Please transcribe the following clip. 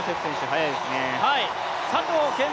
速いですね。